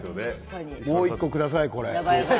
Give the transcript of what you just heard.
もう１個ください、これ。